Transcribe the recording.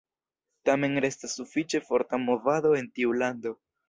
Tamen restas sufiĉe forta movado en tiu lando.